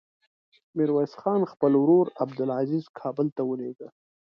ميرويس خان خپل ورور عبدلعزير کابل ته ولېږه.